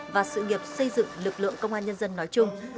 và sự nghiệp xây dựng lực lượng công an nhân dân nói chung